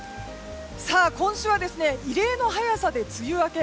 今週は異例の早さで梅雨明け。